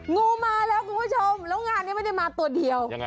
งูมาแล้วคุณผู้ชมแล้วงานนี้ไม่ได้มาตัวเดียว